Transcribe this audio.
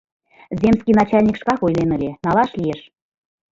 Земский начальник шкак ойлен ыле, налаш лиеш.